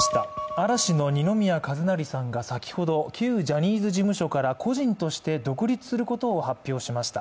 嵐の二宮和也さんが先ほど、旧ジャニーズ事務所から個人として独立することを発表しました。